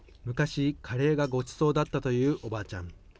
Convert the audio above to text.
昔、カレーがごちそうだったというおばあちゃん。